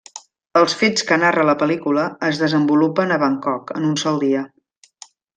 Els fets que narra la pel·lícula es desenvolupen a Bangkok, en un sol dia.